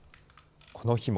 この日も。